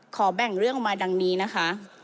ขอแบ่งเรื่องมาดังนี้นะคะ